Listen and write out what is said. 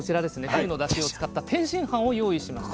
ふぐのだしを使った天津飯を用意しました。